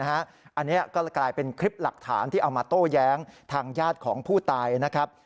อันนี้ก็กลายเป็นคลิปหลักฐานที่เอามาโต้แย้งทางญาติของผู้ตายนะครับ